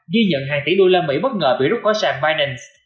ghi nhận hai tỷ usd bất ngờ bị rút khỏi sàn binance